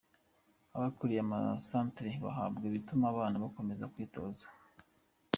Abakuriye amasantere bahabwa ibituma abana bakomeza kwitoza.